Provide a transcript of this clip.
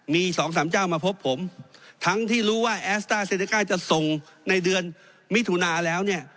มีสองสามเจ้ามาพบผมทั้งที่รู้ว่าแอสต้าเซเนก้าจะส่งในเดือนมิถุนาแล้วเนี่ย